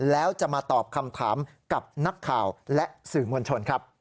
แล้วจะมาตอบคำถามกับนักข่าวและสื่อมวลชนครับ